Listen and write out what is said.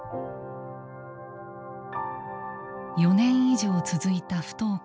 ４年以上続いた不登校。